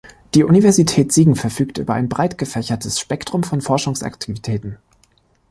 Die Universität Siegen verfügt über ein breit gefächertes Spektrum von Forschungsaktivitäten.